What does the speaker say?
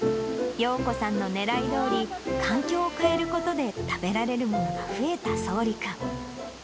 ようこさんのねらいどおり、環境を変えることで食べられるものが増えたそうり君。